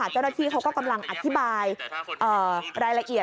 เจ้าหน้าที่เขาก็กำลังอธิบายรายละเอียด